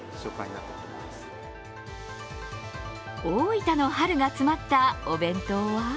大分の春が詰まったお弁当は？